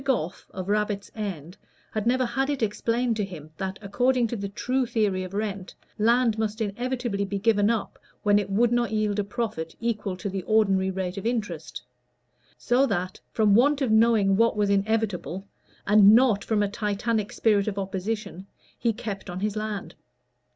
Goffe, of Rabbit's End, had never had it explained to him that, according to the true theory of rent, land must inevitably be given up when it would not yield a profit equal to the ordinary rate of interest; so that from want of knowing what was inevitable, and not from a Titanic spirit of opposition, he kept on his land.